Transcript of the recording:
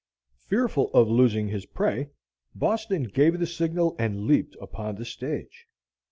Fearful of losing his prey, "Boston" gave the signal and leaped upon the stage.